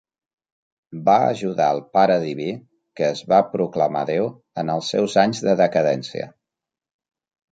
Va ajudar el Pare Diví, que es va proclamar Déu, en els seus anys de decadència.